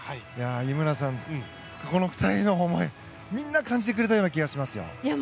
井村さんとの２人の思いみんな感じてくれたと思います。